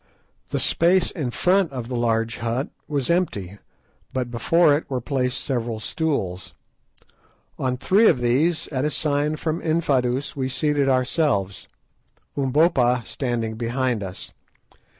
The space in front of the large hut was empty, but before it were placed several stools. On three of these, at a sign from Infadoos, we seated ourselves, Umbopa standing behind us.